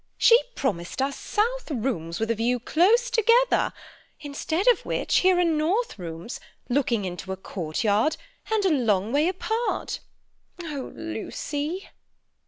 She promised us south rooms with a view close together, instead of which here are north rooms, looking into a courtyard, and a long way apart. Oh, Lucy!"